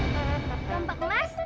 lompat kemas makasih ya